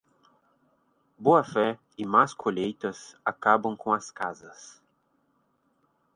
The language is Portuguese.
Boa fé e más colheitas acabam com as casas.